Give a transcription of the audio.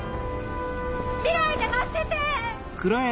未来で待ってて！